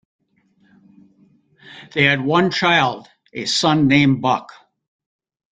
They had one child, a son named Buck.